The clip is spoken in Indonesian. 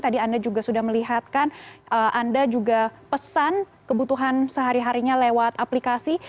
tadi anda juga sudah melihatkan anda juga pesan kebutuhan sehari harinya lewat aplikasi